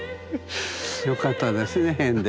よかったですね変で。